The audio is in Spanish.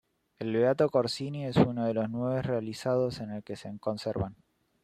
El beato Corsini es uno de los nueve realizados en el que se conservan.